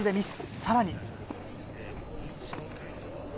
さらに。